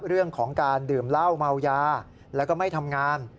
เรื่องของการดื่มเหล้าเมายาแล้วก็ไม่ทำงาน